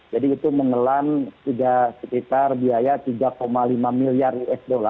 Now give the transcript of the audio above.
jadi itu mengelan sudah sekitar biaya tiga lima miliar usd